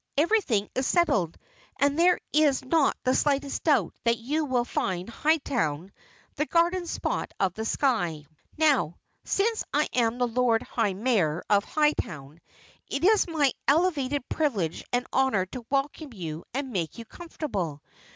Everything is settled and there is not the slightest doubt that you will find Hightown the Garden Spot of the Sky. Now, since I am the Lord High Mayor of Hightown, it is my elevated privilege and honor to welcome you and make you comfortable.